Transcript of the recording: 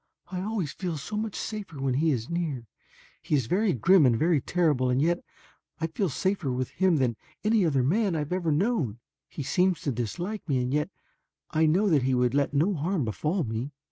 "I always feel so much safer when he is near. He is very grim and very terrible, and yet I feel safer with him than with any man I ever have known. He seems to dislike me and yet I know that he would let no harm befall me.